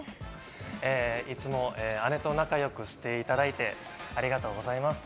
いつも姉と仲良くしていただいてありがとうございます。